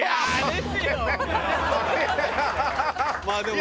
まあでもね。